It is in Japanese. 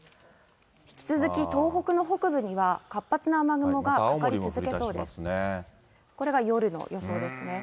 引き続き東北の北部には、活発な雨雲がかかり続けそうです。